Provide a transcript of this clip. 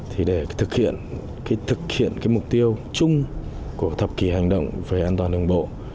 thì để thực hiện mục tiêu chung của thập kỷ hành động về an toàn đường bộ